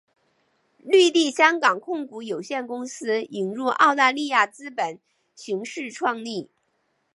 绿地香港控股有限公司引入澳大利亚资本形式创立。